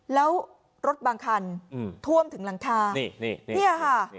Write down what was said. แล้วรถบางคันท่วมถึงหลังคานี่เนี่ยค่ะ